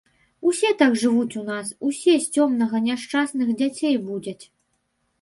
Усе так жывуць у нас, усе з цёмнага няшчасных дзяцей будзяць.